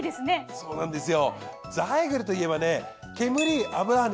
そうなんですよ。